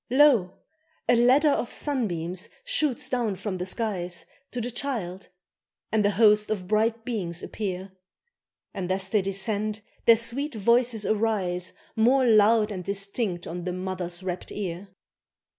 Lo! a ladder of sunbeams shoots down from the skies To the child, and a host of bright beings appear; And as they descend their sweet voices arise More loud and distinct on the mother's rapt ear.